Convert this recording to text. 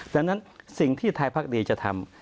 ดังนั้นสิ่งที่ไทยพักดีจะทำ